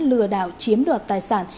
lừa đảo chiếm đoạt tài sản